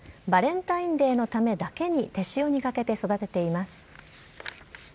バレンタインデーのためだけに手塩にかけて育てています。